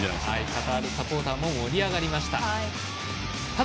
カタールサポーターも盛り上がりました。